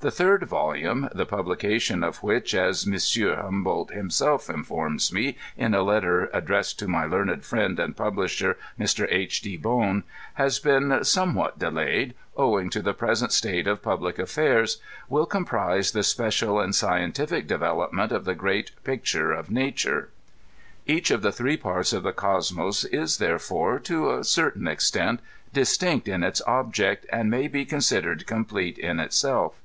The third volume, the publication of which, as M. Humboldt him self informs me in a letter addressed to my learned friend and publisher, Mr. H. G. Bohn, " has been somewhat delayed, owing to the present state of public affairs, will comprise the special and scientific development of the great Picture of Na VI TRANSLATOfi S PREFACE. ture." Each of the three parts of the Cosmos is therefore, to a certain extent, distinct In its object, and may be considered complete in itself.